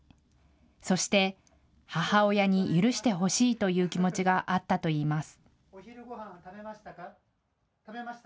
そして母親に許してほしいという気持ちがあったといいます。